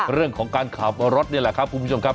เรื่องของการขับรถนี่แหละครับคุณผู้ชมครับ